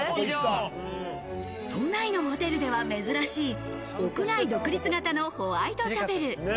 都内のホテルでは珍しい屋外独立型のホワイトチャペル。